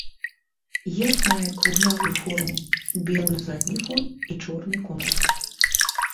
Герб мае круглявую форму, белы задні фон і чорны контур.